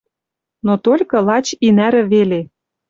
Но толькы лач и нӓрӹ веле!